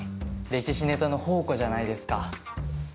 歴史ネタの宝庫じゃないですか。